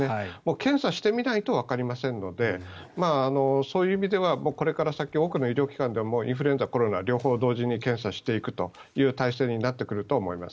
検査してみないとわかりませんのでそういう意味ではこれから先多くの医療機関でもインフルエンザ、コロナ両方同時に検査していく体制になっていくと思います。